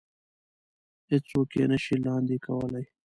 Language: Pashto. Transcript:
هېڅ څوک يې نه شي لاندې کولی.